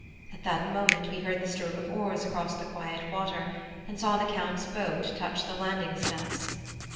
At that moment we heard the stroke of oars across the quiet water and saw the Count's boat touch the landing steps.